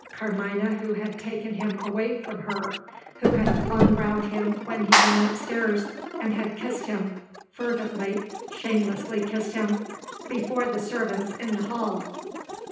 Carmina, who had taken him away from her; who had clung round him when he ran upstairs, and had kissed him fervently, shamelessly kissed him before the servants in the hall!